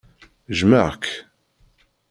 Jmeɣ-k.